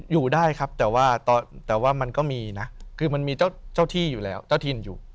อยู่ได้ครับแต่ว่าแต่ว่ามันก็มีนะคือมันมีเจ้าที่อยู่แล้วเจ้าถิ่นอยู่